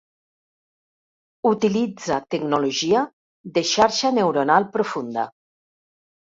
Utilitza tecnologia de xarxa neuronal profunda.